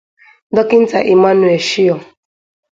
Dọkịnta Emmanuel Shior